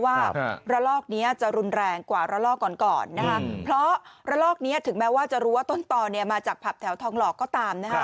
ว่าระลอกนี้จะรุนแรงกว่าระลอกก่อนก่อนนะคะเพราะระลอกนี้ถึงแม้ว่าจะรู้ว่าต้นตอนเนี่ยมาจากผับแถวทองหลอกก็ตามนะคะ